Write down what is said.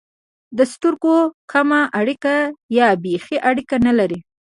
د سترګو کمه اړیکه یا بېخي اړیکه نه لري.